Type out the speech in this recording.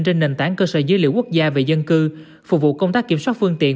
trên nền tảng cơ sở dữ liệu quốc gia về dân cư phục vụ công tác kiểm soát phương tiện